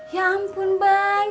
ya ampun bang